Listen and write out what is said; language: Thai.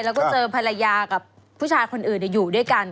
แล้วก็เจอภรรยากับผู้ชายคนอื่นอยู่ด้วยกัน